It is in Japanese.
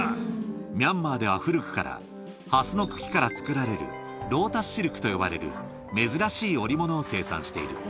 ミャンマーでは古くから、ハスの茎から作られるロータスシルクと呼ばれる珍しい織物を生産している。